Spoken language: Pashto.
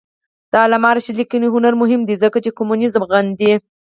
د علامه رشاد لیکنی هنر مهم دی ځکه چې کمونیزم غندي.